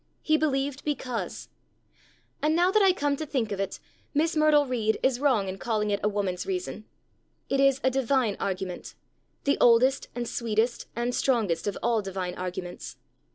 He believed because. And, now that I come to think of it, Miss Myrtle Reed is wrong in calling it a woman's reason. It is a divine argument, the oldest, and sweetest, and strongest of all divine arguments.